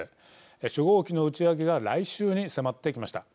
初号機の打ち上げが来週に迫ってきました。